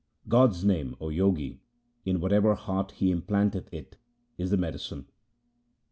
God's name, O Jogi, in whatever heart He implanteth it, is the medicine.